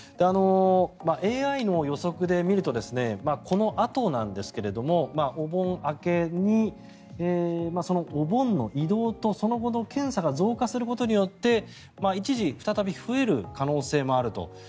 ＡＩの予測で見るとこのあとなんですがお盆明けに、そのお盆の移動とその後の検査が増加することによって一時再び増える可能性もあると。